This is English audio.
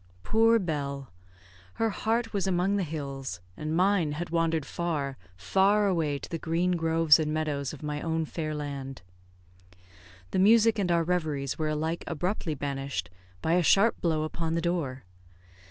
Poor Bell! Her heart was among the hills, and mine had wandered far, far away to the green groves and meadows of my own fair land. The music and our reveries were alike abruptly banished by a sharp blow upon the door.